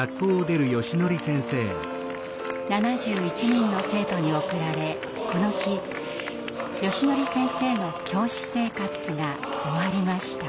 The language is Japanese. ７１人の生徒に送られこの日よしのり先生の教師生活が終わりました。